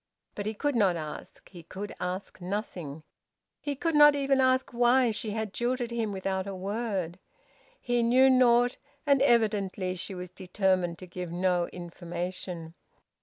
But he could not ask. He could ask nothing. He could not even ask why she had jilted him without a word. He knew naught, and evidently she was determined to give no information.